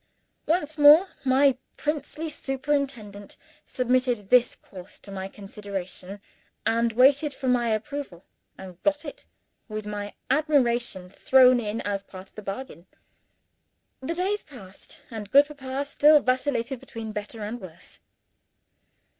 Once more, my princely superintendent submitted this course to my consideration and waited for my approval and got it, with my admiration thrown in as part of the bargain. The days passed and good Papa still vacillated between better and worse.